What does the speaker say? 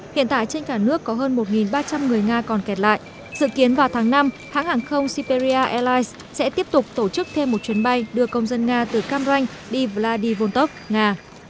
hiện tại trên cả nước có hơn một ba trăm linh người nga còn kẹt lại dự kiến vào tháng năm hãng hàng không siberia airlines sẽ tiếp tục tổ chức thêm một chuyến bay đưa công dân nga từ cam ranh đi vladivostok nga